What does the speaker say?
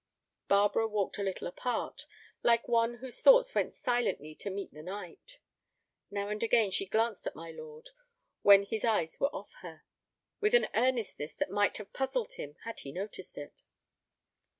Barbara walked a little apart, like one whose thoughts went silently to meet the night. Now and again she glanced at my lord, when his eyes were off her, with an earnestness that might have puzzled him had he noticed it.